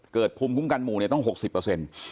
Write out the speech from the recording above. เกิดภูมิคุ้มกันหมู่ต้อง๖๐เปอร์เซ็นต์